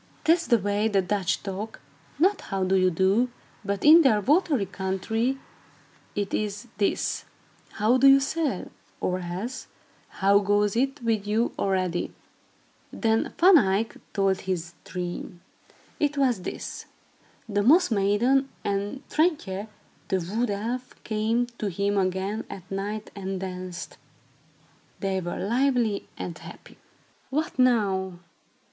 That's the way the Dutch talk not "how do you do," but, in their watery country, it is this, "How do you sail?" or else, "Hoe gat het u al?" (How goes it with you, already?) Then Van Eyck told his dream. It was this: The Moss Maiden and Trintje, the wood elf, came to him again at night and danced. They were lively and happy. "What now?"